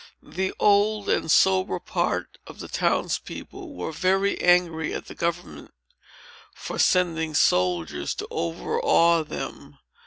The old and sober part of the town's people were very angry at the government, for sending soldiers to overawe them.